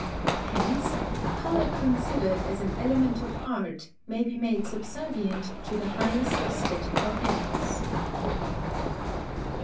Hence, colour considered as an element of art, may be made subservient to the highest æsthetical ends.